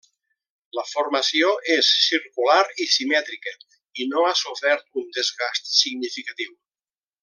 La formació és circular i simètrica, i no ha sofert un desgast significatiu.